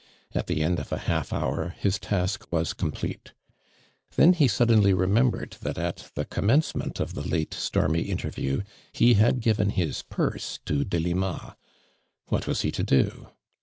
At the end of a half hour his task was complete. Then he suddenly re membered that at the commencement of the late stormy interview he had given liis purse to Delima. AVhat was he to do